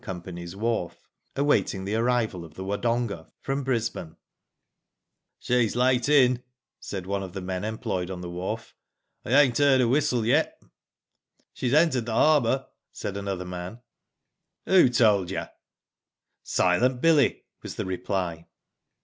Go's, wharf awaiting the arrival of the Wodonga from Bris bane. "She's late in," said one of the men employed on the wharf, I ainH heard her whistle yet." /'She's entered the harbour," said another man. '*'Who told yer?" '* Silent Billy," was the reply.